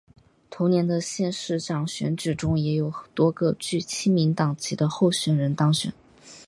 同年的县市长选举中也有多个具亲民党籍的候选人当选。